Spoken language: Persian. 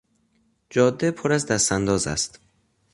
جاده پر از دستانداز است.